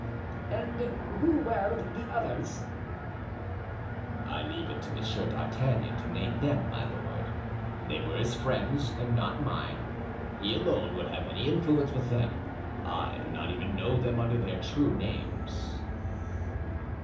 "And who were the others?" "I leave it to Monsieur d'Artagnan to name them, my lord. They were his friends and not mine. He alone would have any influence with them; I do not even know them under their true names."